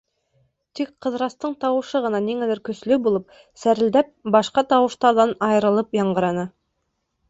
Тик Ҡыҙырастың тауышы ғына ниңәлер көслө булып, сәрелдәп, башҡа тауыштарҙан айырылып яңғыраны.